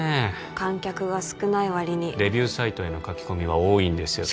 観客が少ない割にレビューサイトへの書き込みは多いんですよ